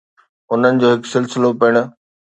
انهن جو هڪ سلسلو پڻ